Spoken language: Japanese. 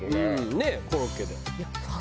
ねえコロッケで。